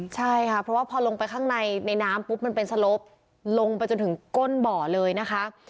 ใช่ค่ะเพราะว่าพอลงไปข้างในในน้ำปุ๊บมันเป็นสลบลงไปจนถึงก้นบ่อเลยนะคะ